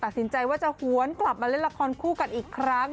สินใจว่าจะหวนกลับมาเล่นละครคู่กันอีกครั้ง